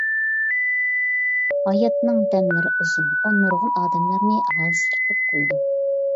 ھاياتنىڭ دەملىرى ئۇزۇن، ئۇ نۇرغۇن ئادەملەرنى ھالسىرىتىپ قويىدۇ.